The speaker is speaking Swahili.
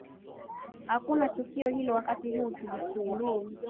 hakuna tukio hilo wakati huu tulikuwa